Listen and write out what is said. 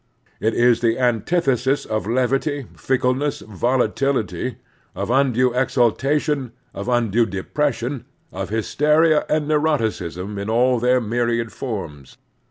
It is the antithesis of levity, fickle ness, volatiUty, of undue exaltation, of undue depression, of hysteria and neuroticism in all their myriad forms.